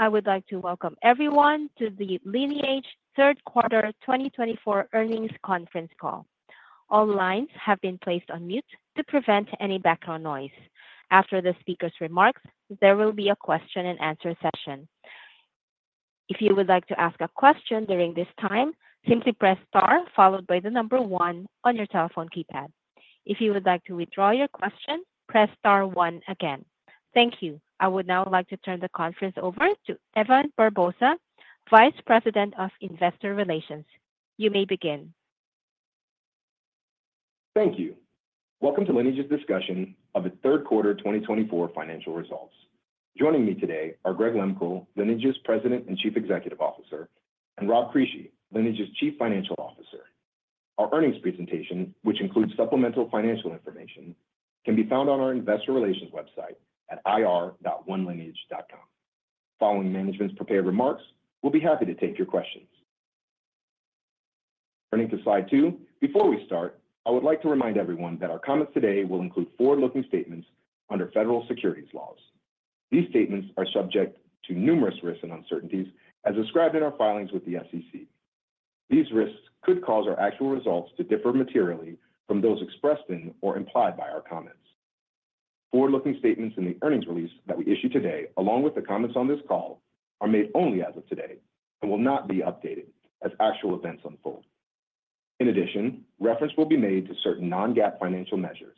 I would like to welcome everyone to the Lineage Third Quarter 2024 Earnings Conference Call. All lines have been placed on mute to prevent any background noise. After the speaker's remarks, there will be a question-and-answer session. If you would like to ask a question during this time, simply press star, followed by the number one on your telephone keypad. If you would like to withdraw your question, press star one again. Thank you. I would now like to turn the conference over to Evan Barbosa, Vice President of Investor Relations. You may begin. Thank you. Welcome to Lineage's discussion of its Third Quarter 2024 financial results. Joining me today are Greg Lehmkuhl, Lineage's President and Chief Executive Officer, and Rob Crisci, Lineage's Chief Financial Officer. Our earnings presentation, which includes supplemental financial information, can be found on our investor relations website at ir.onelineage.com. Following management's prepared remarks, we'll be happy to take your questions. Turning to slide two, before we start, I would like to remind everyone that our comments today will include forward-looking statements under federal securities laws. These statements are subject to numerous risks and uncertainties, as described in our filings with the SEC. These risks could cause our actual results to differ materially from those expressed in or implied by our comments. Forward-looking statements in the earnings release that we issue today, along with the comments on this call, are made only as of today and will not be updated as actual events unfold. In addition, reference will be made to certain non-GAAP financial measures.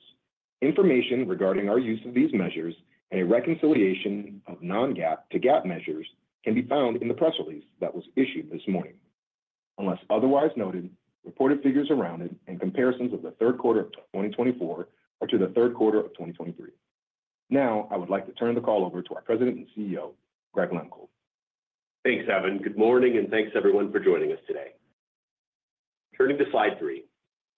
Information regarding our use of these measures and a reconciliation of non-GAAP to GAAP measures can be found in the press release that was issued this morning. Unless otherwise noted, reported figures are and comparisons of the third quarter of 2024 are to the third quarter of 2023. Now, I would like to turn the call over to our President and CEO, Greg Lehmkuhl. Thanks, Evan. Good morning, and thanks, everyone, for joining us today. Turning to slide three,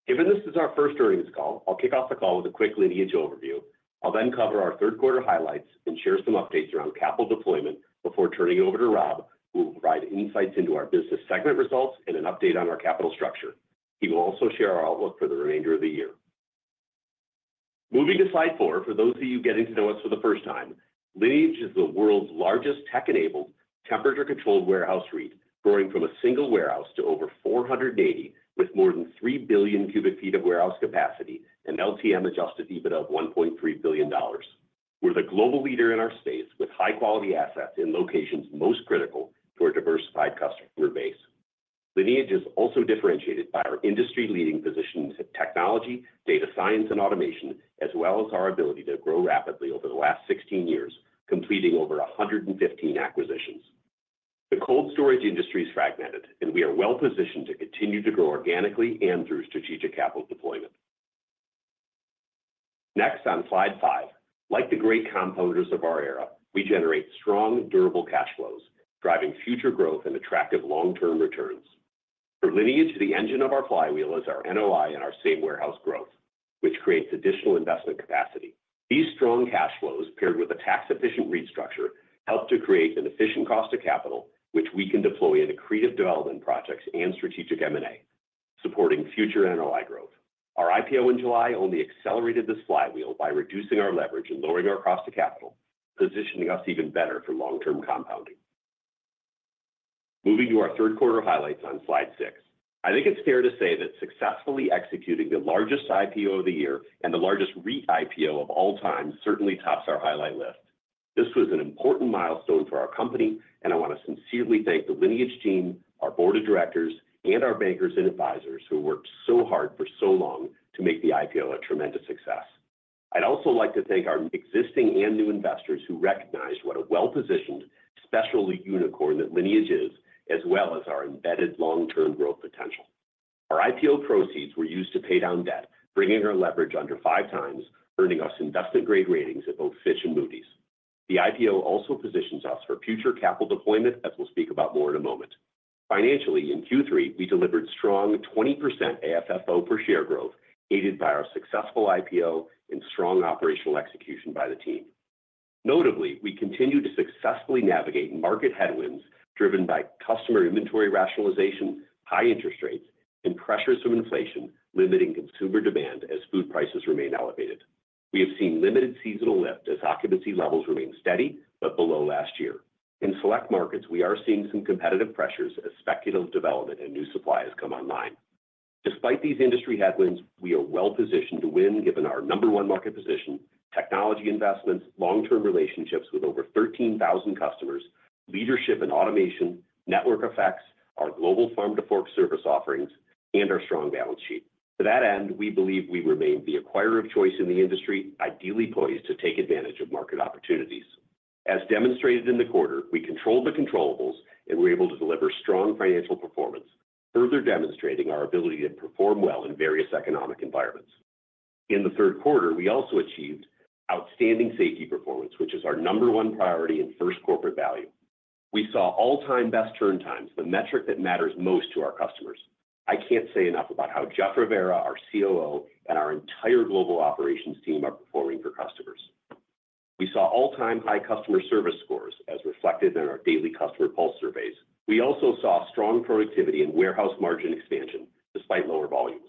given this is our first earnings call, I'll kick off the call with a quick Lineage overview. I'll then cover our third quarter highlights and share some updates around capital deployment before turning it over to Rob, who will provide insights into our business segment results and an update on our capital structure. He will also share our outlook for the remainder of the year. Moving to slide four, for those of you getting to know us for the first time, Lineage is the world's largest tech-enabled temperature-controlled warehouse fleet, growing from a single warehouse to over 480, with more than 3 billion cubic feet of warehouse capacity and LTM Adjusted EBITDA of $1.3 billion. We're the global leader in our space with high-quality assets in locations most critical to our diversified customer base. Lineage is also differentiated by our industry-leading position in technology, data science, and automation, as well as our ability to grow rapidly over the last 16 years, completing over 115 acquisitions. The cold storage industry is fragmented, and we are well-positioned to continue to grow organically and through strategic capital deployment. Next, on slide five, like the great compounders of our era, we generate strong, durable cash flows, driving future growth and attractive long-term returns. For Lineage, the engine of our flywheel is our NOI and our same warehouse growth, which creates additional investment capacity. These strong cash flows, paired with a tax-efficient REIT structure, help to create an efficient cost of capital, which we can deploy in accretive development projects and strategic M&A, supporting future NOI growth. Our IPO in July only accelerated this flywheel by reducing our leverage and lowering our cost of capital, positioning us even better for long-term compounding. Moving to our third quarter highlights on slide six, I think it's fair to say that successfully executing the largest IPO of the year and the largest REIT IPO of all time certainly tops our highlight list. This was an important milestone for our company, and I want to sincerely thank the Lineage team, our board of directors, and our bankers and advisors who worked so hard for so long to make the IPO a tremendous success. I'd also like to thank our existing and new investors who recognized what a well-positioned special unicorn that Lineage is, as well as our embedded long-term growth potential. Our IPO proceeds were used to pay down debt, bringing our leverage under five times, earning us investment-grade ratings at both Fitch and Moody's. The IPO also positions us for future capital deployment, as we'll speak about more in a moment. Financially, in Q3, we delivered strong 20% AFFO per share growth, aided by our successful IPO and strong operational execution by the team. Notably, we continue to successfully navigate market headwinds driven by customer inventory rationalization, high interest rates, and pressures from inflation limiting consumer demand as food prices remain elevated. We have seen limited seasonal lift as occupancy levels remain steady but below last year. In select markets, we are seeing some competitive pressures as speculative development and new supply has come online. Despite these industry headwinds, we are well-positioned to win given our number one market position, technology investments, long-term relationships with over 13,000 customers, leadership in automation, network effects, our global farm-to-fork service offerings, and our strong balance sheet. To that end, we believe we remain the acquirer of choice in the industry, ideally poised to take advantage of market opportunities. As demonstrated in the quarter, we controlled the controllables and were able to deliver strong financial performance, further demonstrating our ability to perform well in various economic environments. In the third quarter, we also achieved outstanding safety performance, which is our number one priority and first corporate value. We saw all-time best turn times, the metric that matters most to our customers. I can't say enough about how Jeff Rivera, our COO, and our entire global operations team are performing for customers. We saw all-time high customer service scores, as reflected in our daily customer pulse surveys. We also saw strong productivity and warehouse margin expansion despite lower volumes.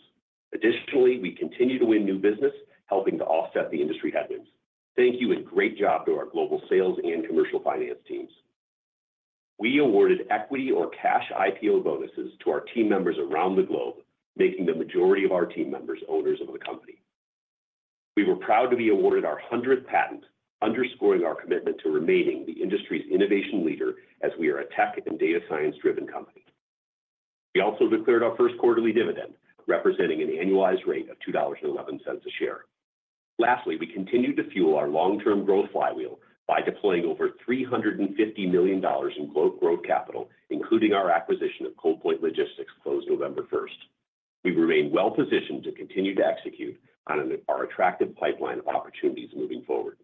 Additionally, we continue to win new business, helping to offset the industry headwinds. Thank you, and great job to our global sales and commercial finance teams. We awarded equity or cash IPO bonuses to our team members around the globe, making the majority of our team members owners of the company. We were proud to be awarded our 100th patent, underscoring our commitment to remaining the industry's innovation leader as we are a tech and data science-driven company. We also declared our first quarterly dividend, representing an annualized rate of $2.11 a share. Lastly, we continue to fuel our long-term growth flywheel by deploying over $350 million in global growth capital, including our acquisition of Coldpoint Logistics closed November 1st. We remain well-positioned to continue to execute on our attractive pipeline of opportunities moving forward.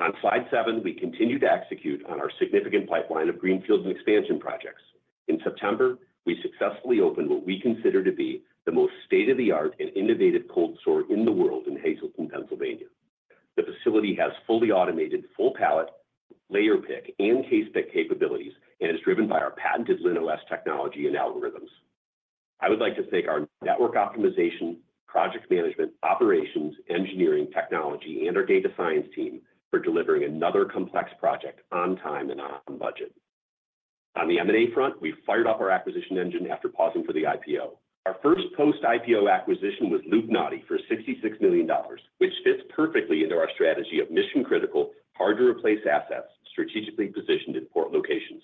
On slide seven, we continue to execute on our significant pipeline of greenfield and expansion projects. In September, we successfully opened what we consider to be the most state-of-the-art and innovative cold store in the world in Hazleton, Pennsylvania. The facility has fully automated full-pallet, layer pick, and case pick capabilities and is driven by our patented LinOS technology and algorithms. I would like to thank our network optimization, project management, operations, engineering, technology, and our data science team for delivering another complex project on time and on budget. On the M&A front, we fired up our acquisition engine after pausing for the IPO. Our first post-IPO acquisition was Luik Natie for $66 million, which fits perfectly into our strategy of mission-critical, hard-to-replace assets strategically positioned in port locations.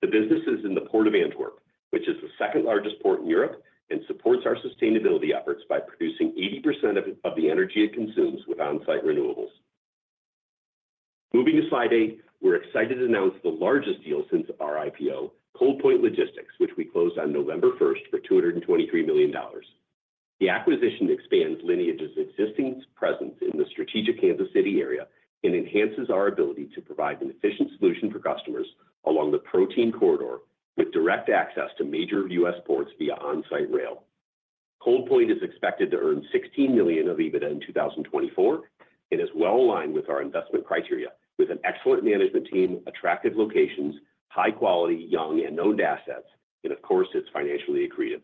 The business is in the Port of Antwerp, which is the second largest port in Europe and supports our sustainability efforts by producing 80% of the energy it consumes with on-site renewables. Moving to slide eight, we're excited to announce the largest deal since our IPO, Coldpoint Logistics, which we closed on November 1st for $223 million. The acquisition expands Lineage's existing presence in the strategic Kansas City area and enhances our ability to provide an efficient solution for customers along the Protein Corridor with direct access to major U.S. ports via on-site rail. Coldpoint is expected to earn 16 million of EBITDA in 2024 and is well-aligned with our investment criteria, with an excellent management team, attractive locations, high-quality, young, and owned assets, and of course, it's financially accretive.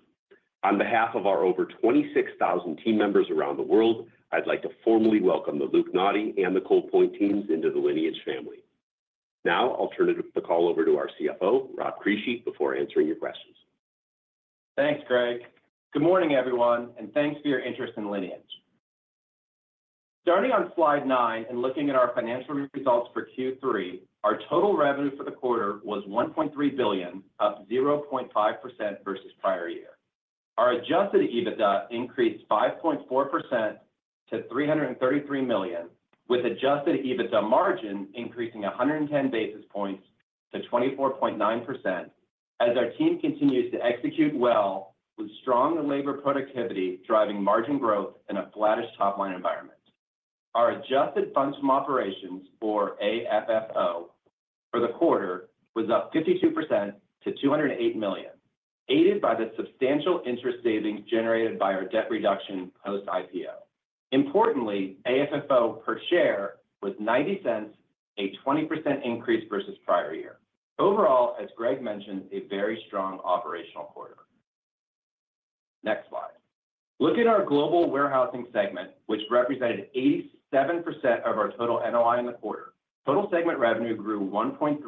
On behalf of our over 26,000 team members around the world, I'd like to formally welcome the Luik Natie and the Coldpoint teams into the Lineage family. Now, I'll turn the call over to our CFO, Rob Crisci, before answering your questions. Thanks, Greg. Good morning, everyone, and thanks for your interest in Lineage. Starting on slide nine and looking at our financial results for Q3, our total revenue for the quarter was $1.3 billion, up 0.5% versus prior year. Our adjusted EBITDA increased 5.4% to $333 million, with adjusted EBITDA margin increasing 110 basis points to 24.9% as our team continues to execute well, with strong labor productivity driving margin growth in a flattish top-line environment. Our adjusted funds from operations for AFFO for the quarter was up 52% to $208 million, aided by the substantial interest savings generated by our debt reduction post-IPO. Importantly, AFFO per share was $0.90, a 20% increase versus prior year. Overall, as Greg mentioned, a very strong operational quarter. Next slide. Look at our global warehousing segment, which represented 87% of our total NOI in the quarter. Total segment revenue grew 1.3%,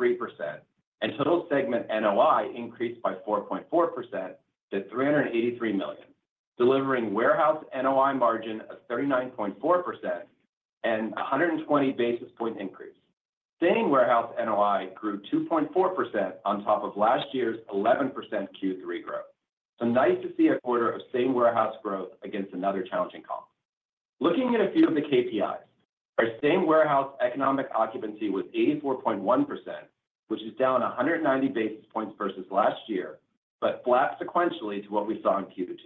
and total segment NOI increased by 4.4% to $383 million, delivering warehouse NOI margin of 39.4% and a 120 basis point increase. Same warehouse NOI grew 2.4% on top of last year's 11% Q3 growth. So nice to see a quarter of same warehouse growth against another challenging comp. Looking at a few of the KPIs, our same warehouse economic occupancy was 84.1%, which is down 190 basis points versus last year, but flat sequentially to what we saw in Q2.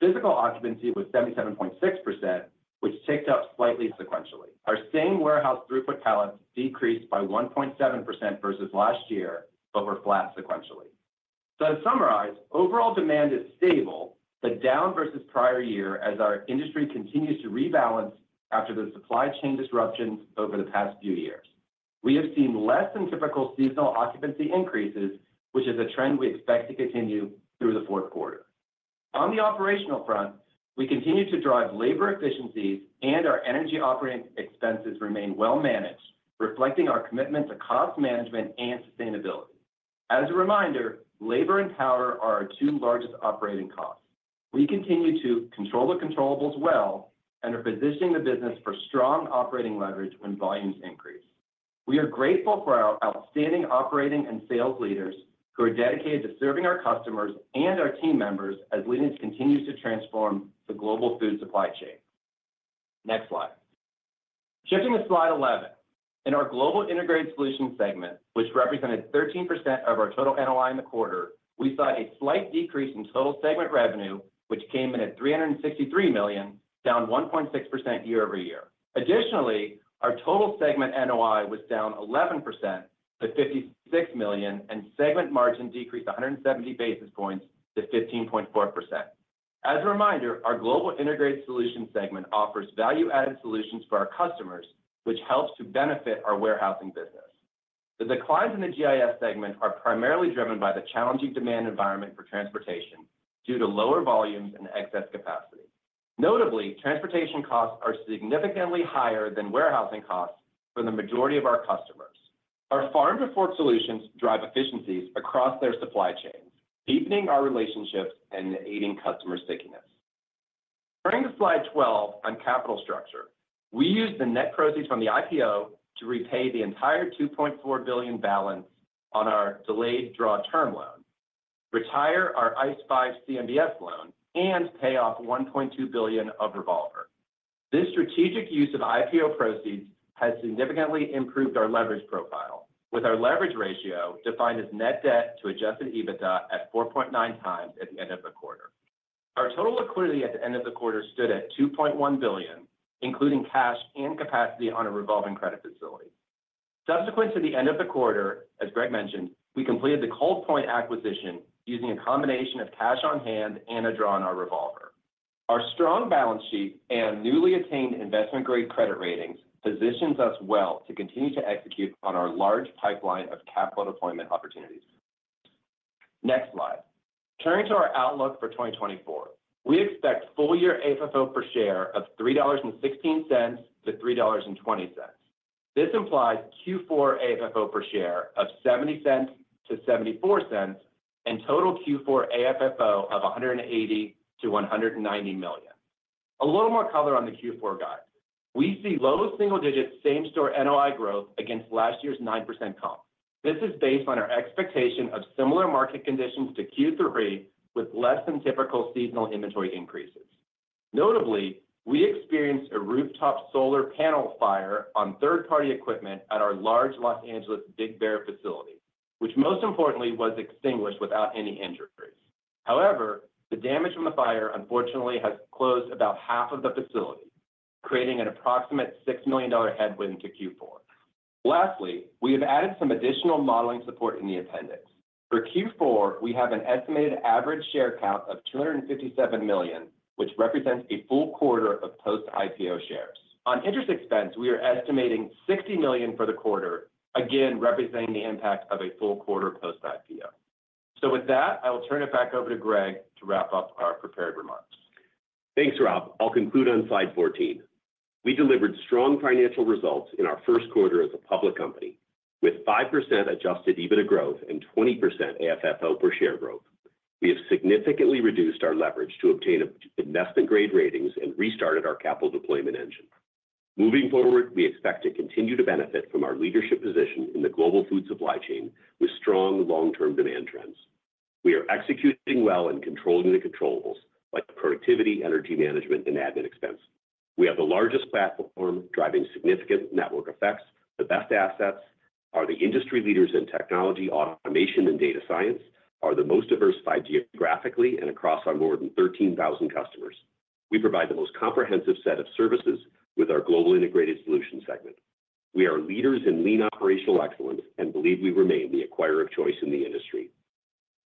Physical occupancy was 77.6%, which ticked up slightly sequentially. Our same warehouse throughput pallets decreased by 1.7% versus last year, but were flat sequentially. So to summarize, overall demand is stable, but down versus prior year as our industry continues to rebalance after the supply chain disruptions over the past few years. We have seen less than typical seasonal occupancy increases, which is a trend we expect to continue through the fourth quarter. On the operational front, we continue to drive labor efficiencies, and our energy operating expenses remain well-managed, reflecting our commitment to cost management and sustainability. As a reminder, labor and power are our two largest operating costs. We continue to control the controllable well and are positioning the business for strong operating leverage when volumes increase. We are grateful for our outstanding operating and sales leaders who are dedicated to serving our customers and our team members as Lineage continues to transform the global food supply chain. Next slide. Shifting to slide 11, in our global integrated solution segment, which represented 13% of our total NOI in the quarter, we saw a slight decrease in total segment revenue, which came in at $363 million, down 1.6% year over year. Additionally, our total segment NOI was down 11% to $56 million, and segment margin decreased 170 basis points to 15.4%. As a reminder, our global integrated solution segment offers value-added solutions for our customers, which helps to benefit our warehousing business. The declines in the GIS segment are primarily driven by the challenging demand environment for transportation due to lower volumes and excess capacity. Notably, transportation costs are significantly higher than warehousing costs for the majority of our customers. Our farm-to-fork solutions drive efficiencies across their supply chains, deepening our relationships and aiding customer stickiness. Turning to slide 12 on capital structure, we used the net proceeds from the IPO to repay the entire $2.4 billion balance on our delayed draw term loan, retire our ICE 5 CMBS loan, and pay off $1.2 billion of revolver. This strategic use of IPO proceeds has significantly improved our leverage profile, with our leverage ratio defined as net debt to Adjusted EBITDA at 4.9x at the end of the quarter. Our total liquidity at the end of the quarter stood at $2.1 billion, including cash and capacity on a revolving credit facility. Subsequent to the end of the quarter, as Greg mentioned, we completed the Coldpoint acquisition using a combination of cash on hand and a draw on our revolver. Our strong balance sheet and newly attained investment-grade credit ratings position us well to continue to execute on our large pipeline of capital deployment opportunities. Next slide. Turning to our outlook for 2024, we expect full-year AFFO per share of $3.16-$3.20. This implies Q4 AFFO per share of $0.70-$0.74 and total Q4 AFFO of $180-$190 million. A little more color on the Q4 guide. We see low single-digit same-store NOI growth against last year's 9% comp. This is based on our expectation of similar market conditions to Q3, with less than typical seasonal inventory increases. Notably, we experienced a rooftop solar panel fire on third-party equipment at our large Los Angeles Big Bear facility, which most importantly was extinguished without any injuries. However, the damage from the fire, unfortunately, has closed about half of the facility, creating an approximate $6 million headwind to Q4. Lastly, we have added some additional modeling support in the appendix. For Q4, we have an estimated average share count of 257 million, which represents a full quarter of post-IPO shares. On interest expense, we are estimating $60 million for the quarter, again representing the impact of a full quarter post-IPO. With that, I will turn it back over to Greg to wrap up our prepared remarks. Thanks, Rob. I'll conclude on slide 14. We delivered strong financial results in our first quarter as a public company, with 5% Adjusted EBITDA growth and 20% AFFO per share growth. We have significantly reduced our leverage to obtain investment-grade ratings and restarted our capital deployment engine. Moving forward, we expect to continue to benefit from our leadership position in the global food supply chain with strong long-term demand trends. We are executing well and controlling the controllables, like productivity, energy management, and admin expense. We have the largest platform, driving significant network effects. The best assets are the industry leaders in technology, automation, and data science. We are the most diversified geographically and across our more than 13,000 customers. We provide the most comprehensive set of services with our global integrated solution segment. We are leaders in Lean Operational Excellence and believe we remain the acquirer of choice in the industry.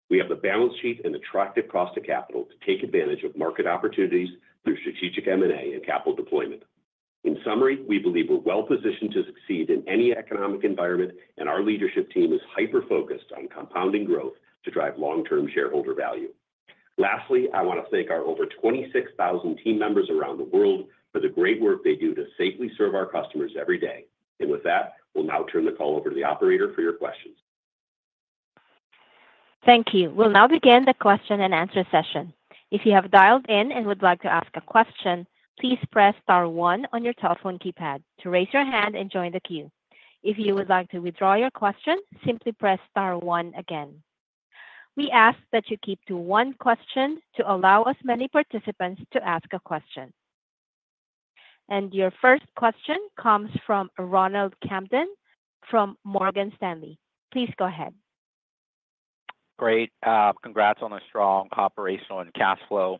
We have the balance sheet and attractive cost of capital to take advantage of market opportunities through strategic M&A and capital deployment. In summary, we believe we're well-positioned to succeed in any economic environment, and our leadership team is hyper-focused on compounding growth to drive long-term shareholder value. Lastly, I want to thank our over 26,000 team members around the world for the great work they do to safely serve our customers every day, and with that, we'll now turn the call over to the operator for your questions. Thank you. We'll now begin the question and answer session. If you have dialed in and would like to ask a question, please press star one on your telephone keypad to raise your hand and join the queue. If you would like to withdraw your question, simply press star one again. We ask that you keep to one question to allow as many participants to ask a question. And your first question comes from Ronald Kamdem from Morgan Stanley. Please go ahead. Great. Congrats on a strong operational and cash flow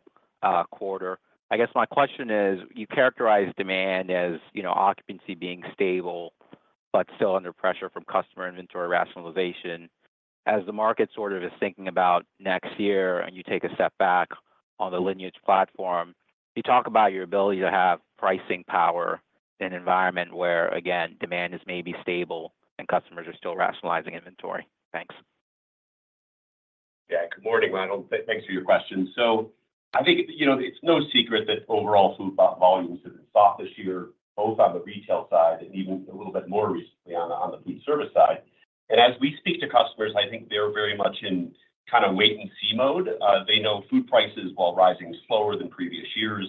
quarter. I guess my question is, you characterize demand as occupancy being stable, but still under pressure from customer inventory rationalization. As the market sort of is thinking about next year and you take a step back on the Lineage platform, you talk about your ability to have pricing power in an environment where, again, demand is maybe stable and customers are still rationalizing inventory. Thanks. Yeah, good morning, Ronald. Thanks for your question. So I think it's no secret that overall food volumes have been soft this year, both on the retail side and even a little bit more recently on the food service side. And as we speak to customers, I think they're very much in kind of wait-and-see mode. They know food prices, while rising slower than previous years,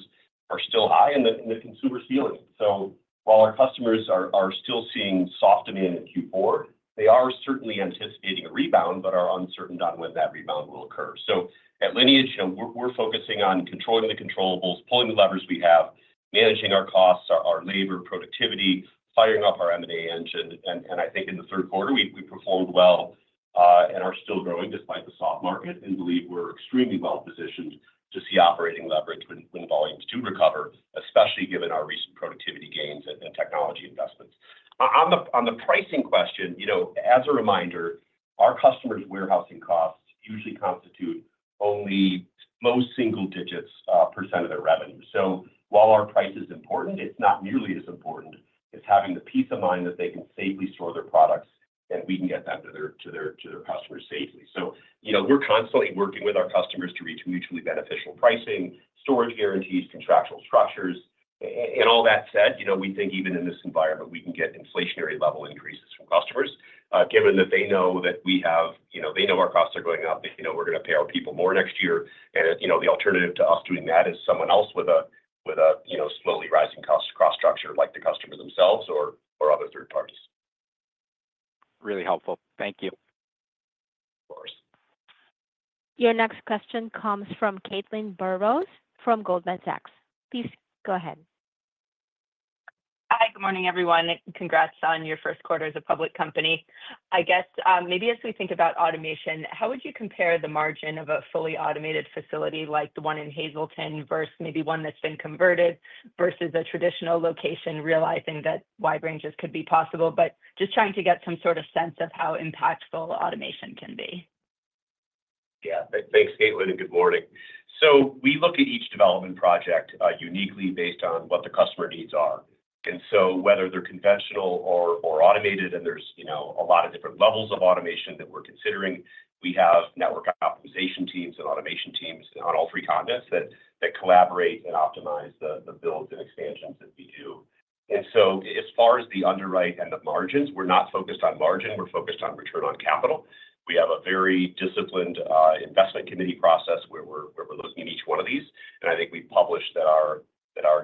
are still high in the consumer's feeling. So while our customers are still seeing soft demand in Q4, they are certainly anticipating a rebound, but are uncertain on when that rebound will occur. So at Lineage, we're focusing on controlling the controllables, pulling the levers we have, managing our costs, our labor productivity, firing up our M&A engine. I think in the third quarter, we performed well and are still growing despite the soft market and believe we're extremely well-positioned to see operating leverage when volumes do recover, especially given our recent productivity gains and technology investments. On the pricing question, as a reminder, our customers' warehousing costs usually constitute only most single-digit % of their revenue. So while our price is important, it's not nearly as important as having the peace of mind that they can safely store their products and we can get them to their customers safely. So we're constantly working with our customers to reach mutually beneficial pricing, storage guarantees, contractual structures. All that said, we think even in this environment, we can get inflationary level increases from customers, given that they know that we have our costs are going up. They know we're going to pay our people more next year. And the alternative to us doing that is someone else with a slowly rising cost cross-structure like the customer themselves or other third parties. Really helpful. Thank you. Of course. Your next question comes from Caitlin Burrows from Goldman Sachs. Please go ahead. Hi, good morning, everyone. Congrats on your first quarter as a public company. I guess maybe as we think about automation, how would you compare the margin of a fully automated facility like the one in Hazleton versus maybe one that's been converted versus a traditional location, realizing that wide ranges could be possible, but just trying to get some sort of sense of how impactful automation can be? Yeah, thanks, Caitlin, and good morning. So we look at each development project uniquely based on what the customer needs are. And so whether they're conventional or automated, and there's a lot of different levels of automation that we're considering, we have network optimization teams and automation teams on all three continents that collaborate and optimize the builds and expansions that we do. And so as far as the underwrite and the margins, we're not focused on margin. We're focused on return on capital. We have a very disciplined investment committee process where we're looking at each one of these. And I think we've published that our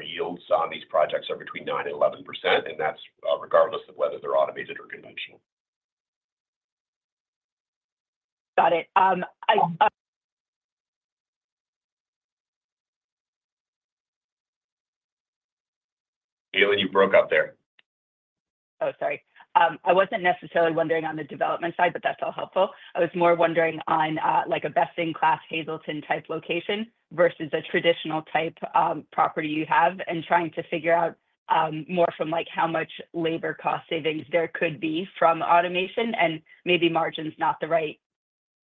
yields on these projects are between 9% and 11%, and that's regardless of whether they're automated or conventional. Got it. I. Caitlin, you broke up there. Oh, sorry. I wasn't necessarily wondering on the development side, but that's all helpful. I was more wondering on a best-in-class Hazleton-type location versus a traditional type property you have and trying to figure out more from how much labor cost savings there could be from automation and maybe margin's not the right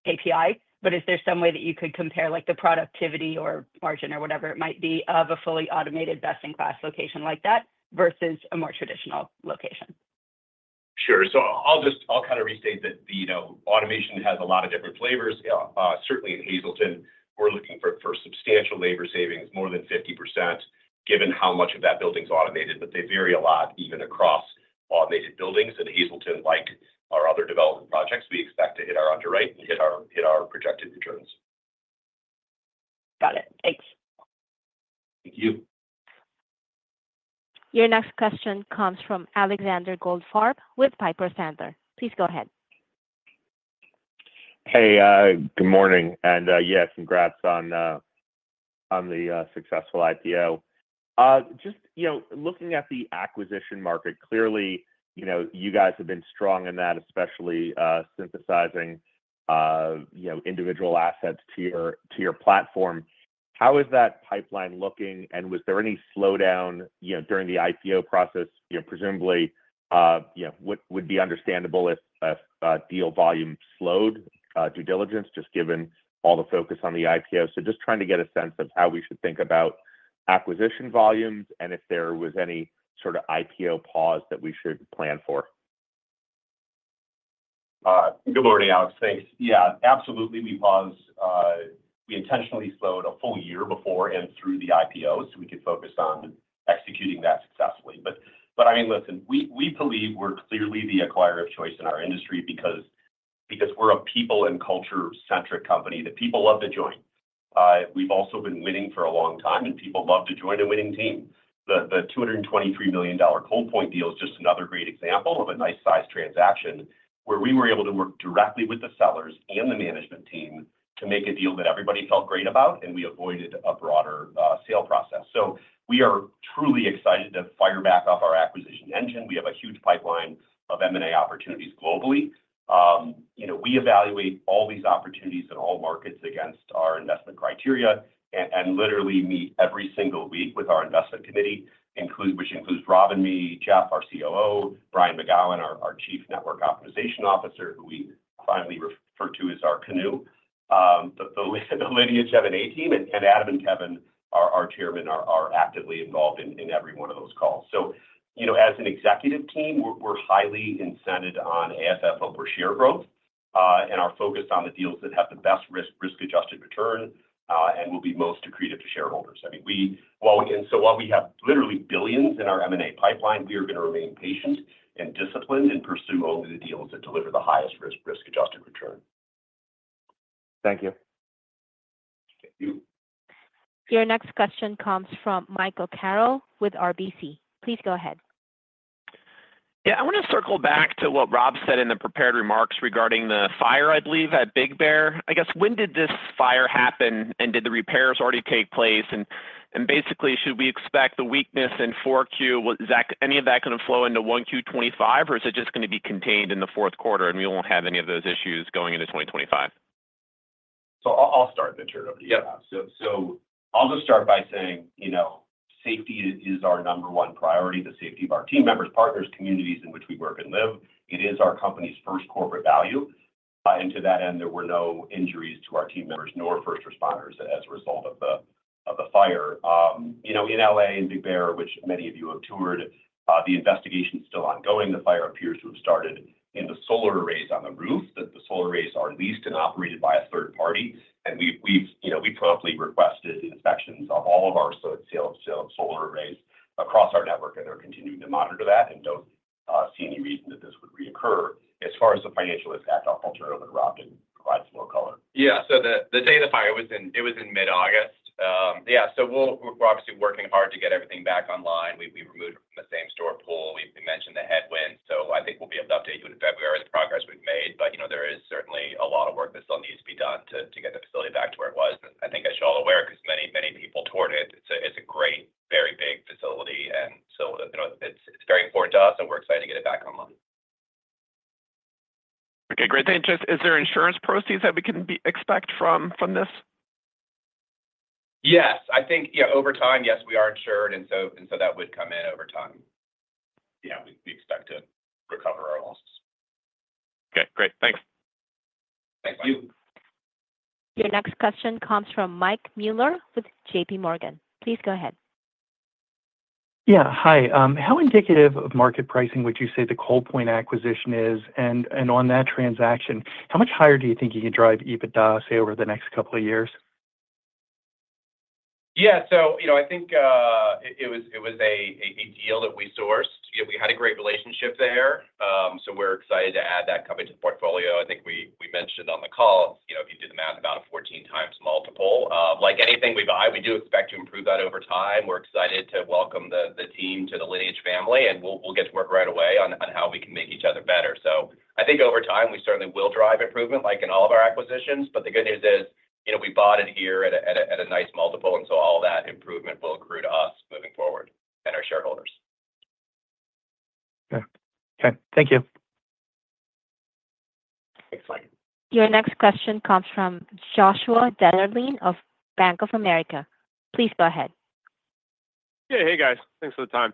KPI. But is there some way that you could compare the productivity or margin or whatever it might be of a fully automated best-in-class location like that versus a more traditional location? Sure. So I'll kind of restate that automation has a lot of different flavors. Certainly in Hazleton, we're looking for substantial labor savings, more than 50%, given how much of that building's automated, but they vary a lot even across automated buildings, and Hazleton, like our other development projects, we expect to hit our underwrite and hit our projected returns. Got it. Thanks. Thank you. Your next question comes from Alexander Goldfarb with Piper Sandler. Please go ahead. Hey, good morning. And yes, congrats on the successful IPO. Just looking at the acquisition market, clearly you guys have been strong in that, especially synthesizing individual assets to your platform. How is that pipeline looking? And was there any slowdown during the IPO process? Presumably, it would be understandable if deal volume slowed due diligence, just given all the focus on the IPO. So just trying to get a sense of how we should think about acquisition volumes and if there was any sort of IPO pause that we should plan for. Good morning, Alex. Thanks. Yeah, absolutely. We intentionally slowed a full year before and through the IPO so we could focus on executing that successfully. But I mean, listen, we believe we're clearly the acquirer of choice in our industry because we're a people and culture-centric company. The people love to join. We've also been winning for a long time, and people love to join a winning team. The $223 million Coldpoint deal is just another great example of a nice-sized transaction where we were able to work directly with the sellers and the management team to make a deal that everybody felt great about, and we avoided a broader sale process. So we are truly excited to fire back up our acquisition engine. We have a huge pipeline of M&A opportunities globally. We evaluate all these opportunities in all markets against our investment criteria and literally meet every single week with our investment committee, which includes Rob and me, Jeff, our COO, Brian McGowan, our Chief Network Optimization Officer, who we finally refer to as our CNOO, the Lineage M&A team, and Adam and Kevin, our chairman, are actively involved in every one of those calls. So as an executive team, we're highly incented on AFFO per share growth and are focused on the deals that have the best risk-adjusted return and will be most accretive to shareholders. I mean, and so while we have literally billions in our M&A pipeline, we are going to remain patient and disciplined and pursue only the deals that deliver the highest risk-adjusted return. Thank you. Thank you. Your next question comes from Michael Carroll with RBC. Please go ahead. Yeah, I want to circle back to what Rob said in the prepared remarks regarding the fire, I believe, at Big Bear. I guess, when did this fire happen? And did the repairs already take place? And basically, should we expect the weakness in 4Q, any of that going to flow into 1Q 2025, or is it just going to be contained in the fourth quarter and we won't have any of those issues going into 2025? I'll just start by saying safety is our number one priority: the safety of our team members, partners, communities in which we work and live. It is our company's first corporate value. And to that end, there were no injuries to our team members nor first responders as a result of the fire. In LA and Big Bear, which many of you have toured, the investigation is still ongoing. The fire appears to have started in the solar arrays on the roof. The solar arrays are leased and operated by a third party. And we promptly requested inspections of all of our solar arrays across our network, and they're continuing to monitor that and don't see any reason that this would reoccur. As far as the financial impact, I'll turn it over to Rob to provide some more color. Yeah, so the day of the fire, it was in mid-August. Yeah, so we're obviously working hard to get everything back online. We've removed it from the same-warehouse pool. We mentioned the headwind. So I think we'll be able to update you in February of the progress we've made. But there is certainly a lot of work that still needs to be done to get the facility back to where it was. And I think you should all be aware because many, many people toured it. It's a great, very big facility. And so it's very important to us, and we're excited to get it back online. Okay, great. Then just, is there insurance proceeds that we can expect from this? Yes. I think over time, yes, we are insured, and so that would come in over time. Yeah, we expect to recover our loss. Okay, great. Thanks. Thanks. You. Your next question comes from Mike Mueller with JPMorgan. Please go ahead. Yeah, hi. How indicative of market pricing would you say the Coldpoint acquisition is? And on that transaction, how much higher do you think you can drive EBITDA, say, over the next couple of years? Yeah, so I think it was a deal that we sourced. We had a great relationship there. So we're excited to add that company to the portfolio. I think we mentioned on the call, if you did the math, about a 14x multiple. Like anything we buy, we do expect to improve that over time. We're excited to welcome the team to the Lineage family, and we'll get to work right away on how we can make each other better. So I think over time, we certainly will drive improvement like in all of our acquisitions. But the good news is we bought it here at a nice multiple. And so all that improvement will accrue to us moving forward and our shareholders. Okay. Okay. Thank you. Thanks, Mike. Your next question comes from Joshua Dennerlein of Bank of America. Please go ahead. Yeah, hey, guys. Thanks for the time.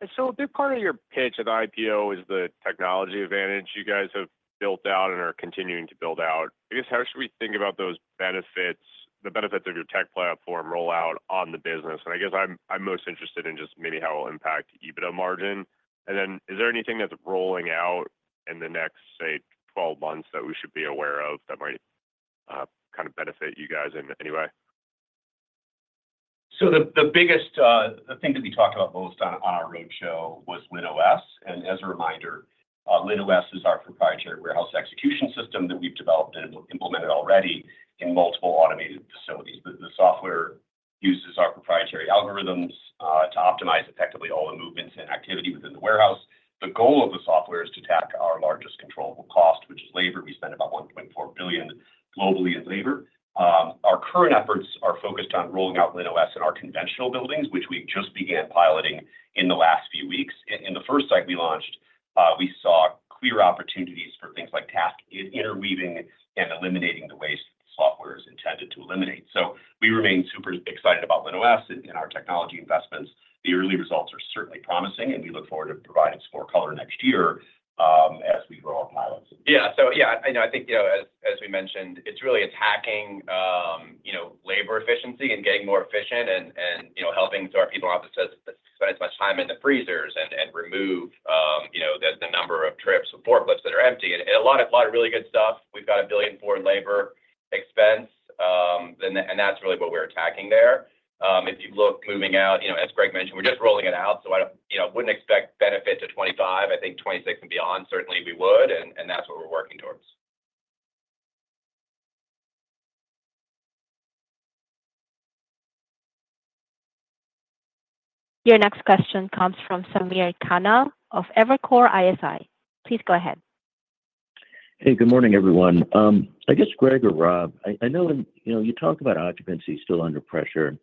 And so a big part of your pitch at the IPO is the technology advantage you guys have built out and are continuing to build out. I guess, how should we think about the benefits of your tech platform rollout on the business? And I guess I'm most interested in just maybe how it will impact EBITDA margin. And then is there anything that's rolling out in the next, say, 12 months that we should be aware of that might kind of benefit you guys in any way? The biggest thing that we talked about most on our roadshow was LinOS. And as a reminder, LinOS is our proprietary warehouse execution system that we've developed and implemented already in multiple automated facilities. The software uses our proprietary algorithms to optimize effectively all the movements and activity within the warehouse. The goal of the software is to tackle our largest controllable cost, which is labor. We spend about $1.4 billion globally in labor. Our current efforts are focused on rolling out LinOS in our conventional buildings, which we just began piloting in the last few weeks. In the first site we launched, we saw clear opportunities for things like task interweaving and eliminating the waste that the software is intended to eliminate. We remain super excited about LinOS and our technology investments. The early results are certainly promising, and we look forward to providing some more color next year as we roll out pilots. Yeah, so yeah, I think, as we mentioned, it's really attacking labor efficiency and getting more efficient and helping so our people don't have to spend as much time in the freezers and remove the number of trips with forklifts that are empty, and a lot of really good stuff. We've got $1 billion forward labor expense, and that's really what we're attacking there. If you look moving out, as Greg mentioned, we're just rolling it out. So I wouldn't expect benefit to 2025. I think 2026 and beyond, certainly we would. And that's what we're working towards. Your next question comes from Samir Khanal of Evercore ISI. Please go ahead. Hey, good morning, everyone. I guess, Greg or Rob, I know you talk about occupancy still under pressure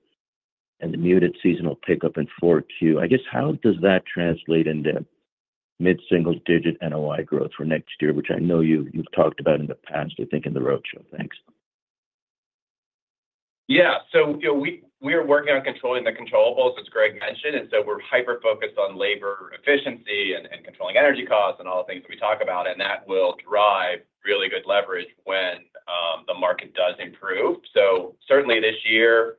and the muted seasonal pickup in 4Q. I guess, how does that translate into mid-single-digit NOI growth for next year, which I know you've talked about in the past, I think, in the roadshow? Thanks. Yeah. So we are working on controlling the controllables as Greg mentioned. And so we're hyper-focused on labor efficiency and controlling energy costs and all the things that we talk about. And that will drive really good leverage when the market does improve. So certainly this year,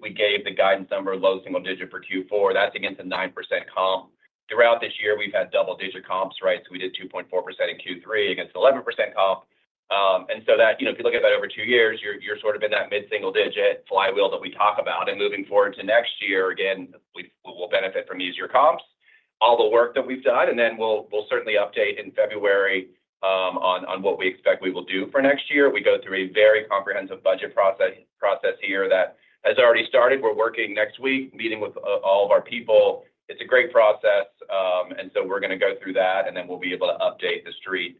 we gave the guidance number, low single digit for Q4. That's against a 9% comp. Throughout this year, we've had double-digit comps, right? So we did 2.4% in Q3 against an 11% comp. And so if you look at that over two years, you're sort of in that mid-single-digit flywheel that we talk about. And moving forward to next year, again, we'll benefit from these year comps, all the work that we've done. And then we'll certainly update in February on what we expect we will do for next year. We go through a very comprehensive budget process here that has already started. We're working next week, meeting with all of our people. It's a great process, and so we're going to go through that, and then we'll be able to update the street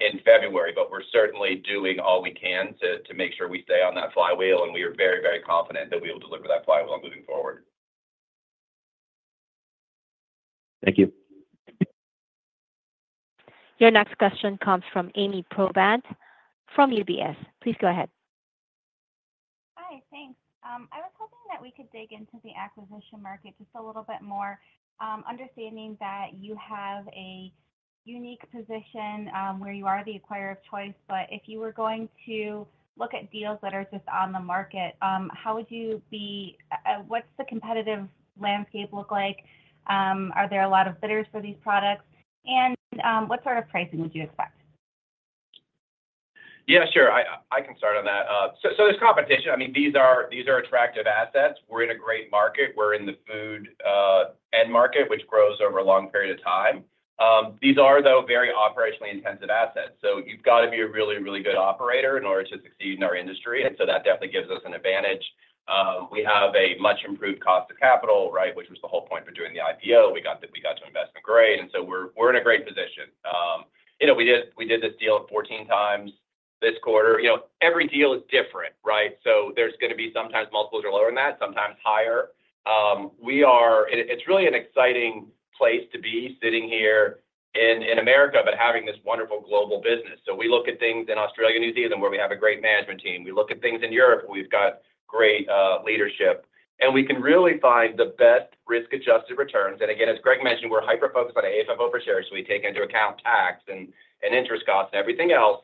in February, but we're certainly doing all we can to make sure we stay on that flywheel, and we are very, very confident that we will deliver that flywheel moving forward. Thank you. Your next question comes from Ami Probandt from UBS. Please go ahead. Hi, thanks. I was hoping that we could dig into the acquisition market just a little bit more, understanding that you have a unique position where you are the acquirer of choice. But if you were going to look at deals that are just on the market, how would you be? What's the competitive landscape look like? Are there a lot of bidders for these products? And what sort of pricing would you expect? Yeah, sure. I can start on that. So there's competition. I mean, these are attractive assets. We're in a great market. We're in the food end market, which grows over a long period of time. These are, though, very operationally intensive assets. So you've got to be a really, really good operator in order to succeed in our industry. And so that definitely gives us an advantage. We have a much improved cost of capital, right, which was the whole point for doing the IPO. We got investment grade. And so we're in a great position. We did this deal 14x this quarter. Every deal is different, right? So there's going to be sometimes multiples are lower than that, sometimes higher. It's really an exciting place to be sitting here in America but having this wonderful global business. So we look at things in Australia and New Zealand where we have a great management team. We look at things in Europe. We've got great leadership. And we can really find the best risk-adjusted returns. And again, as Greg mentioned, we're hyper-focused on AFFO per share, so we take into account tax and interest costs and everything else.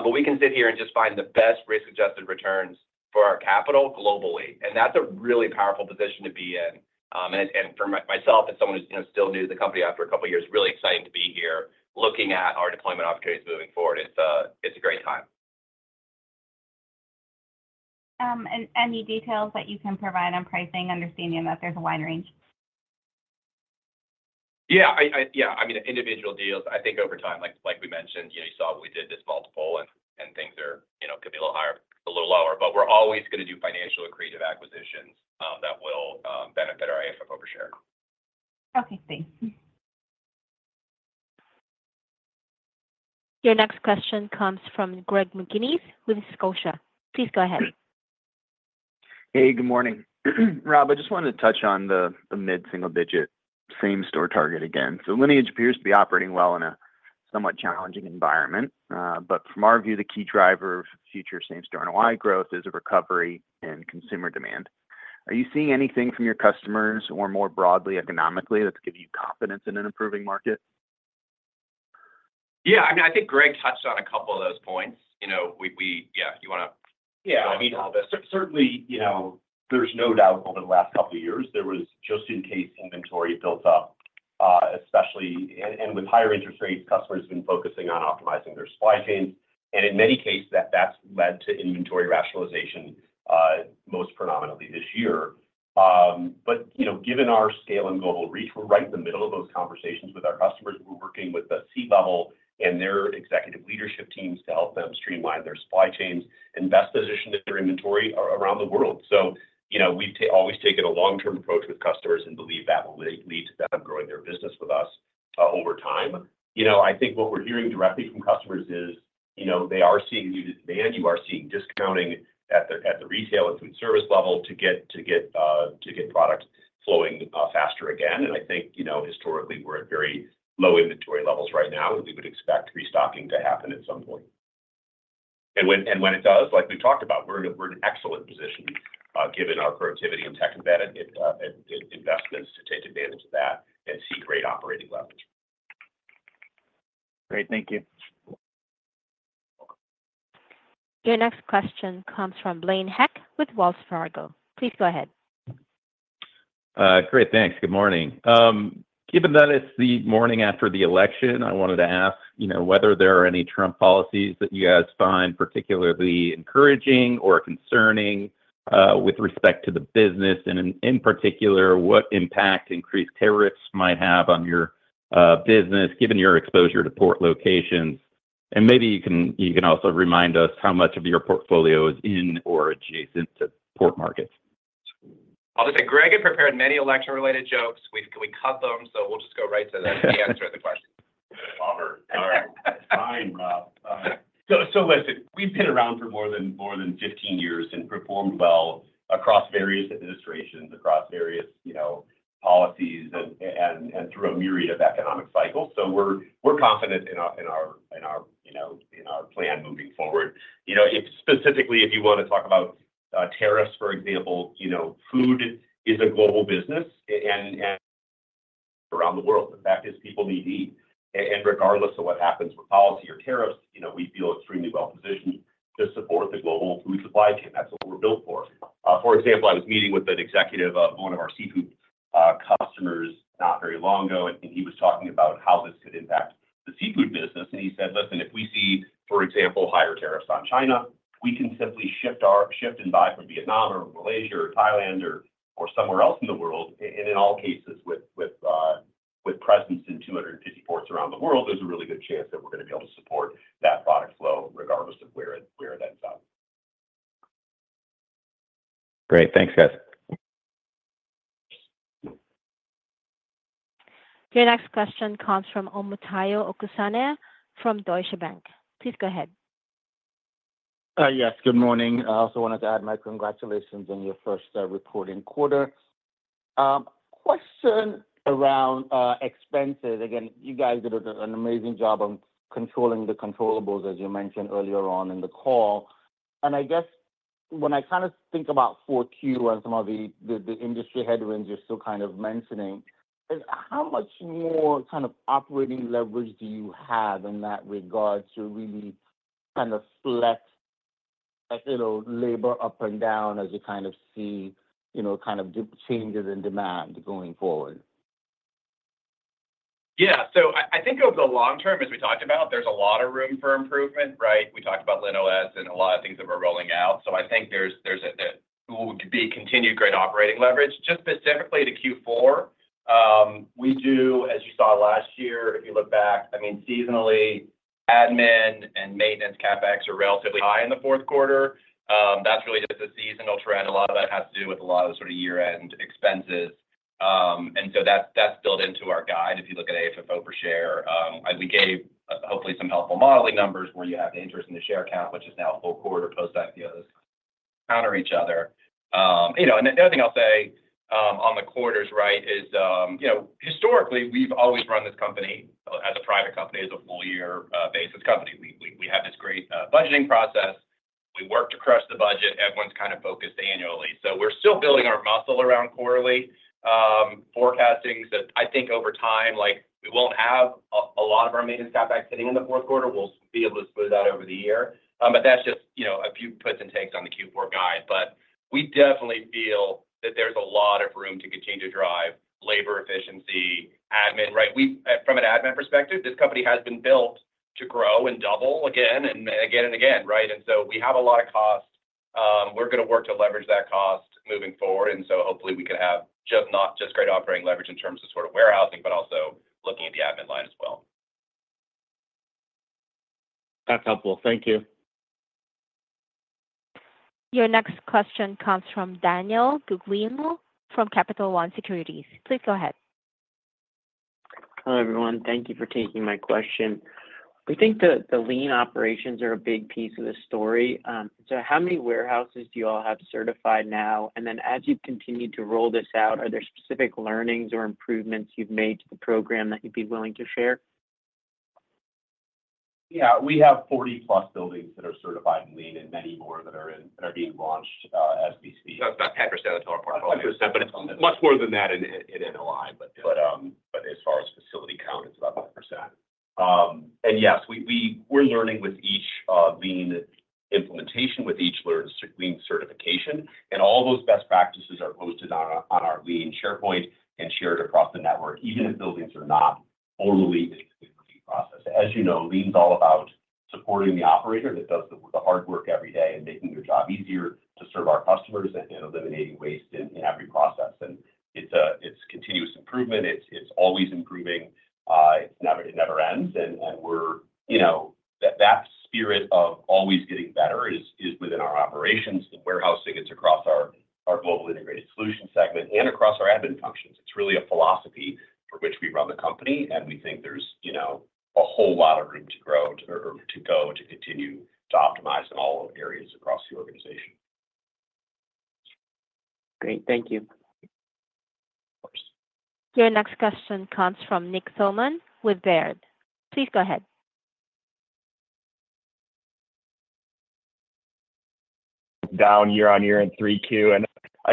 But we can sit here and just find the best risk-adjusted returns for our capital globally. And that's a really powerful position to be in. And for myself, as someone who's still new to the company after a couple of years, really exciting to be here looking at our deployment opportunities moving forward. It's a great time. Any details that you can provide on pricing, understanding that there's a wide range? Yeah. Yeah. I mean, individual deals, I think over time, like we mentioned, you saw what we did, this multiple, and things could be a little higher, a little lower. But we're always going to do financial accretive acquisitions that will benefit our AFFO per share. Okay. Thanks. Your next question comes from Greg McGinnis with Scotia. Please go ahead. Hey, good morning. Rob, I just wanted to touch on the mid-single-digit same-store target again. So Lineage appears to be operating well in a somewhat challenging environment. But from our view, the key driver of future same-store NOI growth is a recovery in consumer demand. Are you seeing anything from your customers or more broadly economically that's giving you confidence in an improving market? Yeah. I mean, I think Greg touched on a couple of those points. Yeah, you want to go ahead. Yeah. Certainly, there's no doubt over the last couple of years, there was just-in-case inventory built up, especially with higher interest rates. Customers have been focusing on optimizing their supply chains. And in many cases, that's led to inventory rationalization most predominantly this year. But given our scale and global reach, we're right in the middle of those conversations with our customers. We're working with the C-level and their executive leadership teams to help them streamline their supply chains and best position their inventory around the world. So we've always taken a long-term approach with customers and believe that will lead to them growing their business with us over time. I think what we're hearing directly from customers is they are seeing unit demand. You are seeing discounting at the retail and food service level to get product flowing faster again. And I think historically, we're at very low inventory levels right now, and we would expect restocking to happen at some point. And when it does, like we've talked about, we're in an excellent position given our productivity and tech embedded investments to take advantage of that and see great operating levels. Great. Thank you. Your next question comes from Blaine Heck with Wells Fargo. Please go ahead. Great. Thanks. Good morning. Given that it's the morning after the election, I wanted to ask whether there are any Trump policies that you guys find particularly encouraging or concerning with respect to the business? And in particular, what impact increased tariffs might have on your business given your exposure to port locations? And maybe you can also remind us how much of your portfolio is in or adjacent to port markets. I'll just say Greg had prepared many election-related jokes. We cut them, so we'll just go right to the answer of the question. All right. That's fine, Rob. So listen, we've been around for more than 15 years and performed well across various administrations, across various policies, and through a myriad of economic cycles. So we're confident in our plan moving forward. Specifically, if you want to talk about tariffs, for example, food is a global business around the world. The fact is people need to eat. And regardless of what happens with policy or tariffs, we feel extremely well-positioned to support the global food supply chain. That's what we're built for. For example, I was meeting with an executive of one of our seafood customers not very long ago, and he was talking about how this could impact the seafood business. And he said, "Listen, if we see, for example, higher tariffs on China, we can simply shift and buy from Vietnam or Malaysia or Thailand or somewhere else in the world." And in all cases, with presence in 250 ports around the world, there's a really good chance that we're going to be able to support that product flow regardless of where it ends up. Great. Thanks, guys. Your next question comes from Omotayo Okusanya from Deutsche Bank. Please go ahead. Yes. Good morning. I also wanted to add my congratulations on your first reporting quarter. Question around expenses. Again, you guys did an amazing job on controlling the controllables, as you mentioned earlier on in the call, and I guess when I kind of think about 4Q and some of the industry headwinds you're still kind of mentioning, how much more kind of operating leverage do you have in that regard to really kind of flat labor up and down as you kind of see kind of changes in demand going forward? Yeah. So I think over the long term, as we talked about, there's a lot of room for improvement, right? We talked about LinOS and a lot of things that we're rolling out. So I think there's what would be continued great operating leverage. Just specifically to Q4, we do, as you saw last year, if you look back, I mean, seasonally, admin and maintenance CapEx are relatively high in the fourth quarter. That's really just a seasonal trend. A lot of that has to do with a lot of the sort of year-end expenses. And so that's built into our guide if you look at AFFO per share. We gave hopefully some helpful modeling numbers where you have the interest in the share count, which is now full quarter post-IPOs counter each other. The other thing I'll say on the quarters, right, is historically, we've always run this company as a private company as a full-year basis company. We have this great budgeting process. We work to crush the budget. Everyone's kind of focused annually. We're still building our muscle around quarterly forecastings. I think over time, we won't have a lot of our maintenance CapEx hitting in the fourth quarter. We'll be able to smooth out over the year. That's just a few puts and takes on the Q4 guide. We definitely feel that there's a lot of room to continue to drive labor efficiency, admin, right? From an admin perspective, this company has been built to grow and double again and again and again, right? We have a lot of cost. We're going to work to leverage that cost moving forward. Hopefully, we can have not just great operating leverage in terms of sort of warehousing, but also looking at the admin line as well. That's helpful. Thank you. Your next question comes from Dan Guglielmo from Capital One Securities. Please go ahead. Hi, everyone. Thank you for taking my question. We think the lean operations are a big piece of the story. So how many warehouses do you all have certified now? And then as you continue to roll this out, are there specific learnings or improvements you've made to the program that you'd be willing to share? Yeah. We have 40+ buildings that are certified in lean and many more that are being launched as we speak. It's about 10% of the total portfolio. 10%, but it's much more than that in NOI, but as far as facility count, it's about 100%. And yes, we're learning with each lean implementation, with each lean certification, and all those best practices are posted on our lean SharePoint and shared across the network, even if buildings are not formally in the lean process. As you know, lean's all about supporting the operator that does the hard work every day and making their job easier to serve our customers and eliminating waste in every process, and it's continuous improvement. It's always improving.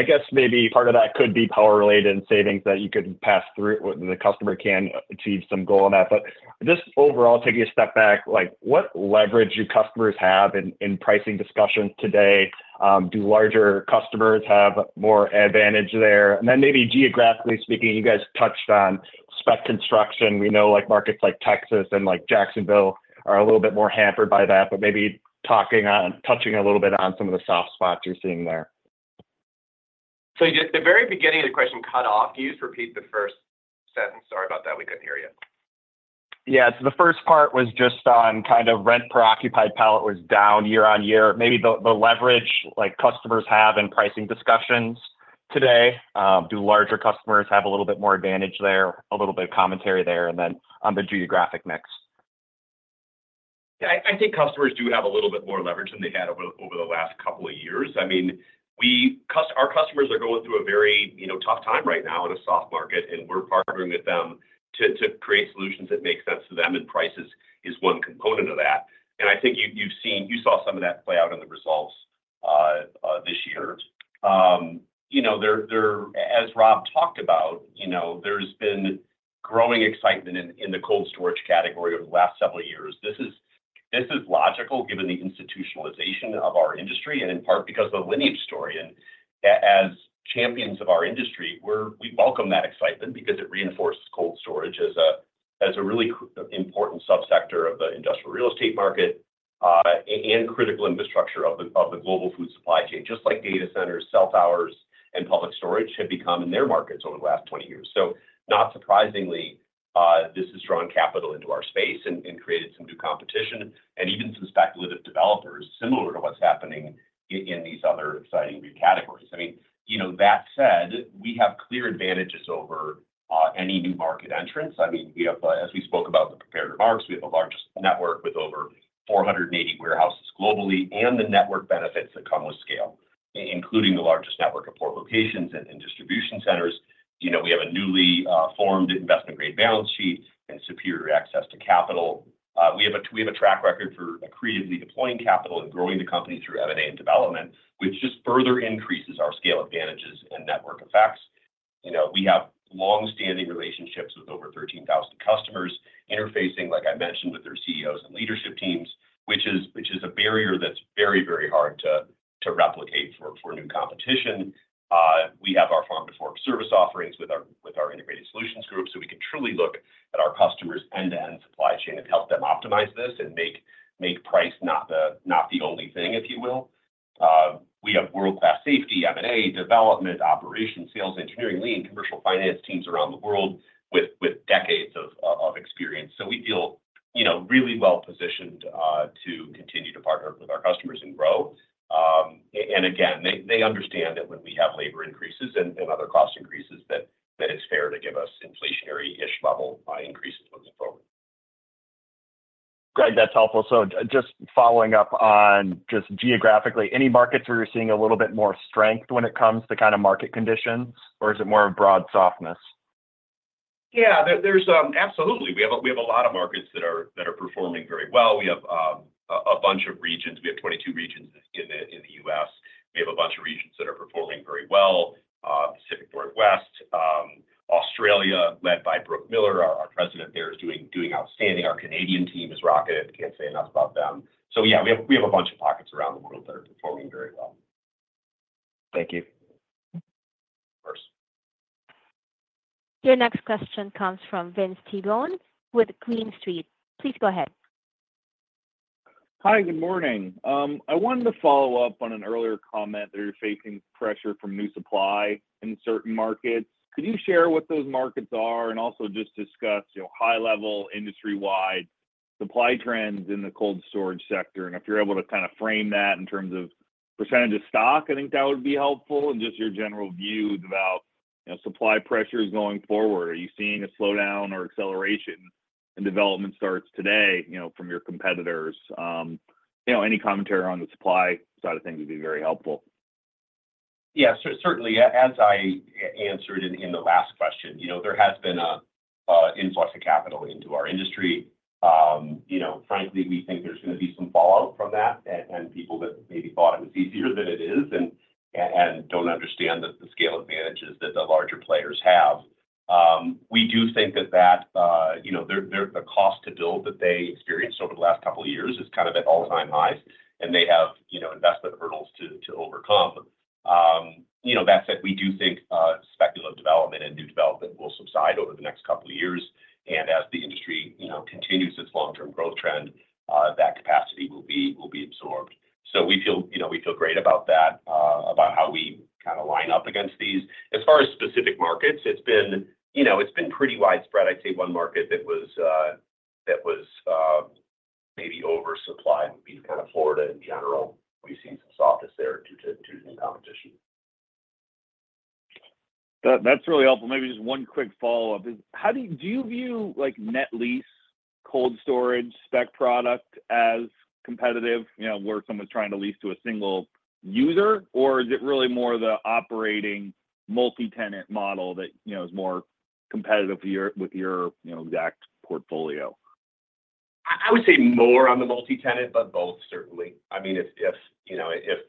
And I guess maybe part of that could be power-related and savings that you could pass through. The customer can achieve some goal on that. But just overall, taking a step back, what leverage do customers have in pricing discussions today? Do larger customers have more advantage there? And then maybe geographically speaking, you guys touched on spec construction. We know markets like Texas and Jacksonville are a little bit more hampered by that. But maybe touching a little bit on some of the soft spots you're seeing there. So at the very beginning of the question, you cut off. Can you just repeat the first sentence? Sorry about that. We couldn't hear you. Yeah. So the first part was just on kind of rent-per-occupied pallet was down year-on-year. Maybe the leverage customers have in pricing discussions today. Do larger customers have a little bit more advantage there? A little bit of commentary there. And then on the geographic mix. Yeah. I think customers do have a little bit more leverage than they had over the last couple of years. I mean, our customers are going through a very tough time right now in a soft market. And we're partnering with them to create solutions that make sense to them. And price is one component of that. And I think you saw some of that play out in the results this year. As Rob talked about, there's been growing excitement in the cold storage category over the last several years. This is logical given the institutionalization of our industry and in part because of the Lineage story. And as champions of our industry, we welcome that excitement because it reinforces cold storage as a really important subsector of the industrial real estate market and critical infrastructure of the global food supply chain. Just like data centers, self-storage, and public storage have become in their markets over the last 20 years, so not surprisingly, this has drawn capital into our space and created some new competition and even some speculative developers similar to what's happening in these other exciting new categories. I mean, that said, we have clear advantages over any new market entrants. I mean, as we spoke about the prepared remarks, we have the largest network with over 480 warehouses globally and the network benefits that come with scale, including the largest network of port locations and distribution centers. We have a newly formed investment-grade balance sheet and superior access to capital. We have a track record for accretively deploying capital and growing the company through M&A and development, which just further increases our scale advantages and network effects. We have long-standing relationships with over 13,000 customers interfacing, like I mentioned, with their CEOs and leadership teams, which is a barrier that's very, very hard to replicate for new competition. We have our Farm-to-Fork service offerings with our integrated solutions group, so we can truly look at our customers' end-to-end supply chain and help them optimize this and make price not the only thing, if you will. We have world-class safety, M&A, development, operations, sales, engineering, lean, commercial finance teams around the world with decades of experience, so we feel really well-positioned to continue to partner with our customers and grow, and again, they understand that when we have labor increases and other cost increases, that it's fair to give us inflationary-ish level increases moving forward. Greg, that's helpful. So just following up on just geographically, any markets where you're seeing a little bit more strength when it comes to kind of market conditions, or is it more of broad softness? Yeah. Absolutely. We have a lot of markets that are performing very well. We have a bunch of regions. We have 22 regions in the U.S. We have a bunch of regions that are performing very well: Pacific Northwest, Australia, led by Brooke Miller. Our president there is doing outstanding. Our Canadian team has rocketed. Can't say enough about them. So yeah, we have a bunch of pockets around the world that are performing very well. Thank you. Of course. Your next question comes from Vince Tibone with Green Street. Please go ahead. Hi. Good morning. I wanted to follow up on an earlier comment that you're facing pressure from new supply in certain markets. Could you share what those markets are and also just discuss high-level industry-wide supply trends in the cold storage sector? And if you're able to kind of frame that in terms of percentage of stock, I think that would be helpful. And just your general views about supply pressures going forward. Are you seeing a slowdown or acceleration in development starts today from your competitors? Any commentary on the supply side of things would be very helpful. Yeah. Certainly. As I answered in the last question, there has been an influx of capital into our industry. Frankly, we think there's going to be some fallout from that and people that maybe thought it was easier than it is and don't understand the scale advantages that the larger players have. We do think that the cost to build that they experienced over the last couple of years is kind of at all-time highs, and they have investment hurdles to overcome. That said, we do think speculative development and new development will subside over the next couple of years, and as the industry continues its long-term growth trend, that capacity will be absorbed, so we feel great about that, about how we kind of line up against these. As far as specific markets, it's been pretty widespread. I'd say one market that was maybe oversupplied would be kind of Florida in general. We've seen some softness there due to new competition. That's really helpful. Maybe just one quick follow-up. Do you view net lease, cold storage, spec product as competitive where someone's trying to lease to a single user, or is it really more the operating multi-tenant model that is more competitive with your exact portfolio? I would say more on the multi-tenant, but both, certainly. I mean, if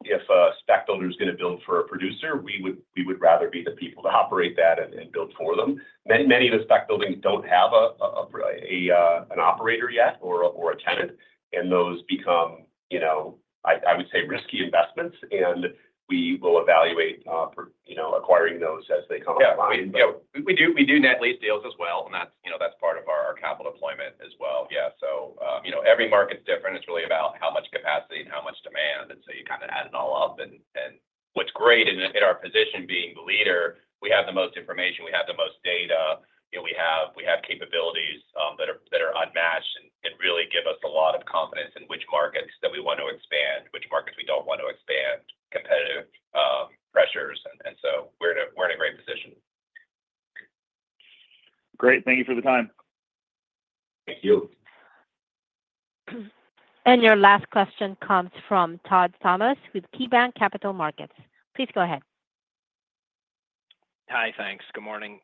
a spec builder is going to build for a producer, we would rather be the people to operate that and build for them. Many of the spec buildings don't have an operator yet or a tenant, and those become, I would say, risky investments, and we will evaluate acquiring those as they come online. Yeah. We do net lease deals as well, and that's part of our capital deployment as well. Yeah, so every market's different. It's really about how much capacity and how much demand, and so you kind of add it all up, and what's great in our position being the leader, we have the most information. We have the most data. We have capabilities that are unmatched and really give us a lot of confidence in which markets that we want to expand, which markets we don't want to expand, competitive pressures, and so we're in a great position. Great. Thank you for the time. Thank you. Your last question comes from Todd Thomas with KeyBanc Capital Markets. Please go ahead. Hi. Thanks. Good morning.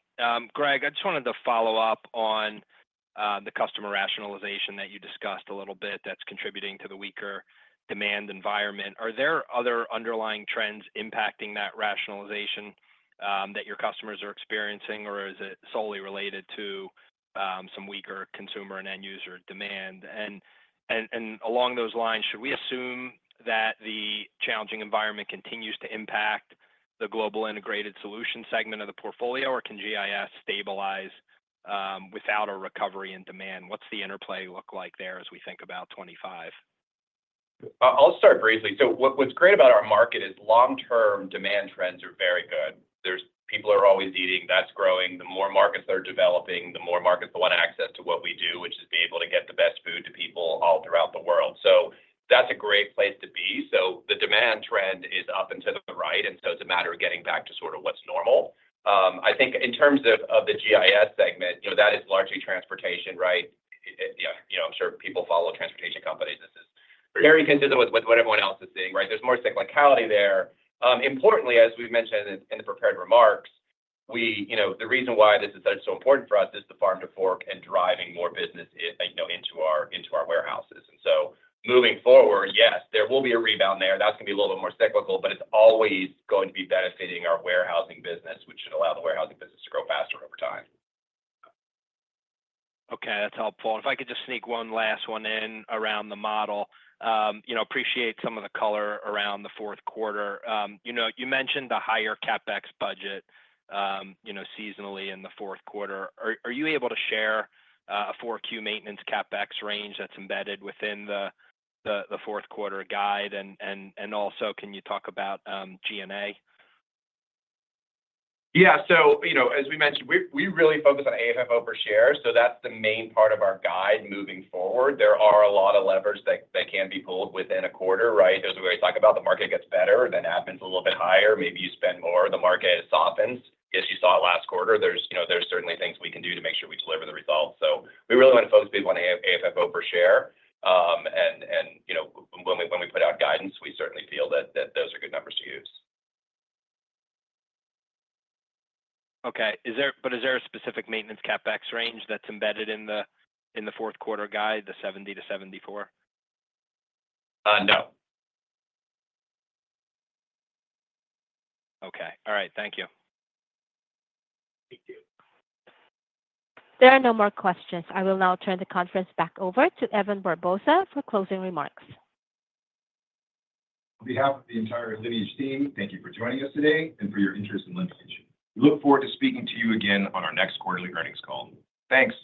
Greg, I just wanted to follow up on the customer rationalization that you discussed a little bit that's contributing to the weaker demand environment. Are there other underlying trends impacting that rationalization that your customers are experiencing, or is it solely related to some weaker consumer and end-user demand? And along those lines, should we assume that the challenging environment continues to impact the global integrated solution segment of the portfolio, or can GIS stabilize without a recovery in demand? What's the interplay look like there as we think about 2025? I'll start briefly. So what's great about our market is long-term demand trends are very good. People are always eating. That's growing. The more markets that are developing, the more markets that want access to what we do, which is be able to get the best food to people all throughout the world. So that's a great place to be. So the demand trend is up and to the right. And so it's a matter of getting back to sort of what's normal. I think in terms of the GIS segment, that is largely transportation, right? I'm sure people follow transportation companies. This is very consistent with what everyone else is seeing, right? There's more cyclicality there. Importantly, as we've mentioned in the prepared remarks, the reason why this is so important for us is the farm-to-fork and driving more business into our warehouses. And so moving forward, yes, there will be a rebound there. That's going to be a little bit more cyclical, but it's always going to be benefiting our warehousing business, which should allow the warehousing business to grow faster over time. Okay. That's helpful. And if I could just sneak one last one in around the model, appreciate some of the color around the fourth quarter. You mentioned the higher CapEx budget seasonally in the fourth quarter. Are you able to share a 4Q maintenance CapEx range that's embedded within the fourth quarter guide? And also, can you talk about G&A? Yeah. So as we mentioned, we really focus on AFFO per share. So that's the main part of our guide moving forward. There are a lot of levers that can be pulled within a quarter, right? There's a way we talk about the market gets better, then admin's a little bit higher. Maybe you spend more. The market softens. As you saw last quarter, there's certainly things we can do to make sure we deliver the results. So we really want to focus on AFFO per share. And when we put out guidance, we certainly feel that those are good numbers to use. Okay. But is there a specific maintenance CapEx range that's embedded in the fourth quarter guide, the $0.70-$0.74? No. Okay. All right. Thank you. Thank you. There are no more questions. I will now turn the conference back over to Evan Barbosa for closing remarks. On behalf of the entire Lineage team, thank you for joining us today and for your interest in Lineage. We look forward to speaking to you again on our next quarterly earnings call. Thanks.